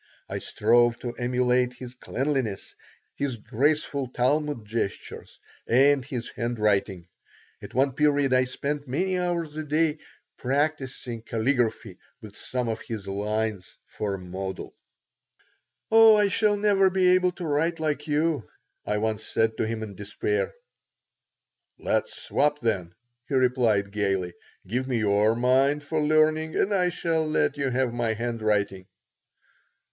I strove to emulate his cleanliness, his graceful Talmud gestures, and his handwriting. At one period I spent many hours a day practising caligraphy with some of his lines for a model "Oh, I shall never be able to write like you," I once said to him, in despair "Let us swap, then," he replied, gaily.. "Give me your mind for learning and I shall let you have my handwriting."